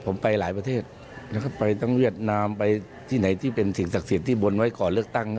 ผมไปหลายประเทศนะครับไปทั้งเวียดนามไปที่ไหนที่เป็นสิ่งศักดิ์สิทธิ์ที่บนไว้ก่อนเลือกตั้ง